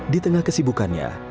di tengah kesibukannya